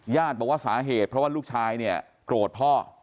ญาติบอกว่าสาเหตุเพราะว่าลูกชายโกรธพ่อ